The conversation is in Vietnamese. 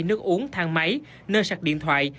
nước uống thang máy nơi sạc điện thoại